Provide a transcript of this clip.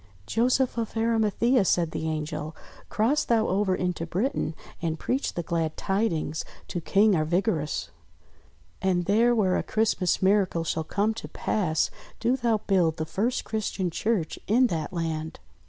''Joseph of Arimathea," said the Angel, "cross thou over into Britain and preach the glad tidings THE CHRISTMAS THORN 37 to King Arvigarus. And there, where a Christ mas miracle shall come to pass, do thou build the first Christian church in that land."